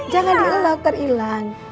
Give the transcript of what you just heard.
jangan dielok elok terilang